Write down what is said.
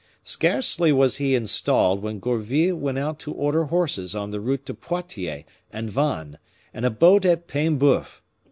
Scarcely was he installed when Gourville went out to order horses on the route to Poitiers and Vannes, and a boat at Paimboef.